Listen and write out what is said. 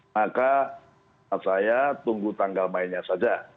maka saya tunggu tanggal mainnya saja